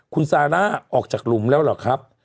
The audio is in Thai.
คุณซาร่าออกจากหลุมแล้วเหรอครับ